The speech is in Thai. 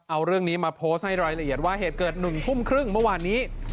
เอาเรื่องนี้มาโพสต์ให้รายละเอียดว่าเหตุเกิด๑ทุ่มครึ่งเมื่อวานนี้